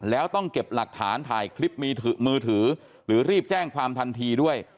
แล้วต้องเก็บหลักฐานถ่ายคลิปมือถือมือถือหรือรีบแจ้งความทันทีด้วย